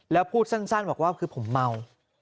แล้วพูดสั้นบอกว่าคือผมเมา